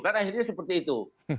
kan akhirnya seperti itu